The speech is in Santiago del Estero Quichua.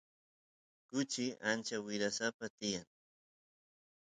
kuchi ancha wirasapa tiyan